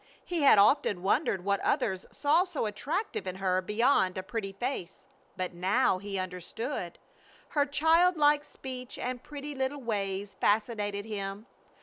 He had often wondered what others saw so attractive in her beyond a pretty face. But now he understood. Her child like speech and pretty little ways fascinated him.